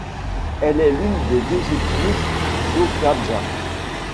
Elle est l'une des deux épouses d'Auqqajaq.